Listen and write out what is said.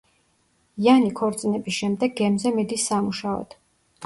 იანი ქორწინების შემდეგ გემზე მიდის სამუშაოდ.